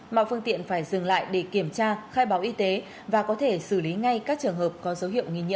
mọi phương tiện phải dừng lại để kiểm tra khai báo y tế và có thể xử lý ngay các trường hợp có dấu hiệu nghi nhận